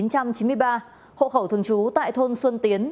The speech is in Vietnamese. hậu khẩu thường trú tại thôn xuân tiến